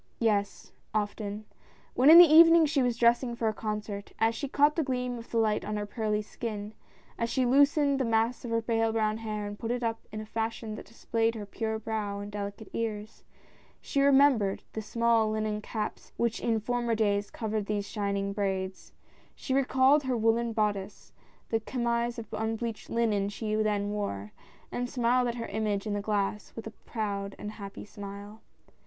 Yes, often. When in the evening she was dressing for a concert — as she caught the gleam of the light on her pearly skin, as she loosened the mass of her pale brown hair and put it up in a fashion that displayed her pure brow and delicate ears, she remembered the small linen caps which in former days covered these shining braids ; she recalled her woolen bodice, the chemise of unbleached ' linen she then wore, and smiled at her image in the glass with a , proud and happy smile.